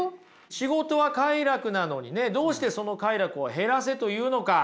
仕事は快楽なのにねどうしてその快楽を減らせと言うのか。